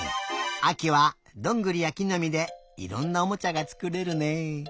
あきはどんぐりやきのみでいろんなおもちゃがつくれるね。